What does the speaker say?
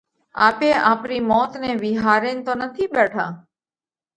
آپي آپرِي موت نئہ وِيهارينَ تو نٿِي ٻيٺا؟